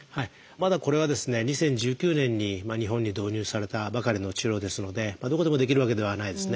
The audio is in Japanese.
まだこれはですね２０１９年に日本に導入されたばかりの治療ですのでどこでもできるわけではないですね。